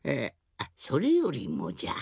あそれよりもじゃ。